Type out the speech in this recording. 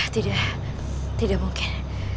tidak tidak mungkin